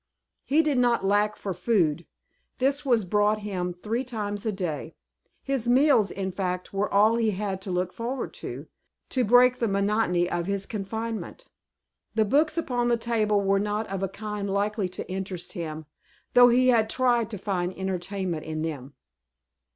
He did not lack for food. This was brought him three times a day. His meals, in fact, were all he had to look forward to, to break the monotony of his confinement. The books upon the table were not of a kind likely to interest him, though he had tried to find entertainment in them.